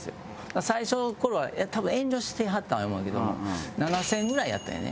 最初の頃は多分遠慮してはったんや思うんやけども７０００円ぐらいやったんやね。